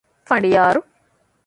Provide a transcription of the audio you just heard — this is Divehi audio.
ފަނޑިޔާރު